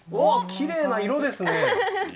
きれいな色ですね。